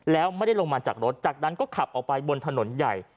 แล้วไม่ได้ลงมาจากรถจากนั้นก็ขับออกไปบนถนนใหญ่